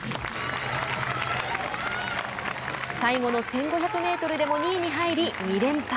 最後の１５００メートルでも２位に入り２連覇。